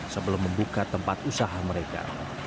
sebelum membuka tempat usaha mereka